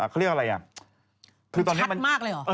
เขาเรียกอะไรอ่ะ